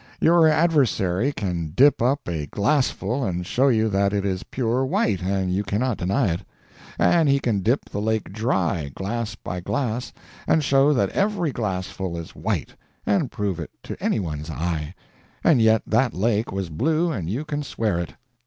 Your adversary can dip up a glassful and show you that it is pure white and you cannot deny it; and he can dip the lake dry, glass by glass, and show that every glassful is white, and prove it to any one's eye and yet that lake was blue and you can swear it.